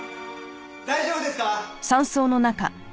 大丈夫ですか？